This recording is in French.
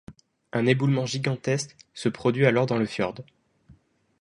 Un éboulement gigantesque se produit alors dans le fjord.